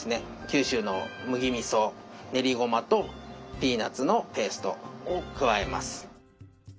九州の麦みそ練りごまとピーナッツのペーストを加えます。